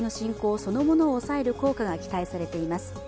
そのものを抑える効果が期待されています。